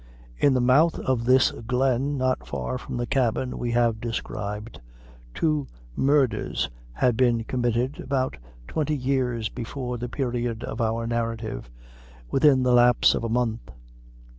In the mouth of this glen, not far from the cabin we have described, two murders had been committed about twenty years before the period of our narrative, within the lapse of a month.